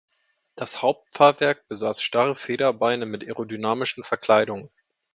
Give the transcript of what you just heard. Das Hauptfahrwerk besaß starre Federbeine mit aerodynamischen Verkleidungen.